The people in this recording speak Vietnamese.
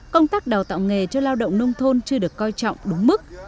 công tác đào tạo nghề cho lao động nông thôn chưa được coi trọng đúng mức